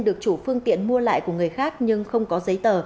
được chủ phương tiện mua lại của người khác nhưng không có giấy tờ